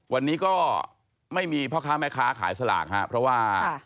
วันนี้ก็ไม่มีพ่อค้าแม่ค้าขายสลากครับเพราะว่า